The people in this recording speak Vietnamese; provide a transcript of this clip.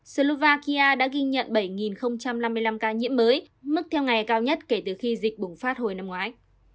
slovakia đã ghi nhận bảy năm mươi năm ca nhiễm mới mức theo ngày cao nhất kể từ khi dịch bùng phát hồi năm ngoái